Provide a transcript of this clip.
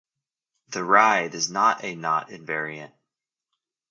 The writhe is not a knot invariant.